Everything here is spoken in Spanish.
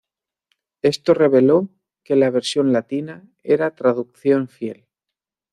Esto reveló que la versión latina era traducción fiel.